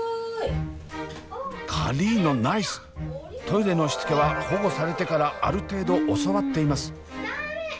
トイレのしつけは保護されてからある程度教わっています。